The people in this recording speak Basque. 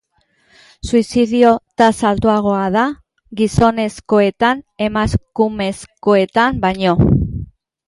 Suizidio tasa altuagoa da gizonezkoetan emakumezkoetan baino.